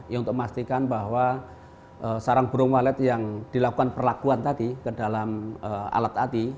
ya untuk memastikan bahwa sarang burung walet yang dilakukan perlakuan tadi ke dalam alat ati